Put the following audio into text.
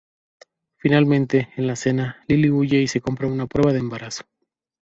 Finalmente, en la cena, Lily huye y se compra una prueba de embarazo.